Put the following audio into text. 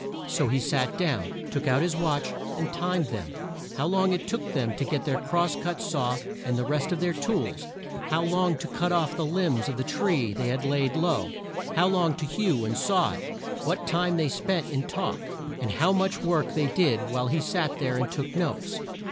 So he sat down, took out his watch, and timed them: how long it took them to get their cross cut saw and the rest of their tools; how long to cut off the limbs from the tree they had laid low; how long to hew and saw it; what time they spent in talk; and how much work they did while he sat there and took notes.